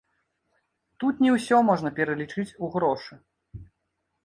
Тут не ўсё можна пералічыць ў грошы.